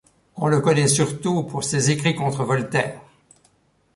On le connaît surtout pour ses écrits contre Voltaire.